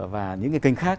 và những cái kênh khác